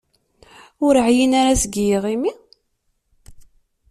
Ur εyin ara seg yiɣimi?